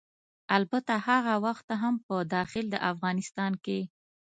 البته هغه وخت هم په داخل د افغانستان کې